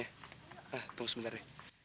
hah tunggu sebentar deh